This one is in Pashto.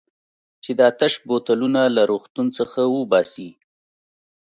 چې دا تش بوتلونه له روغتون څخه وباسي.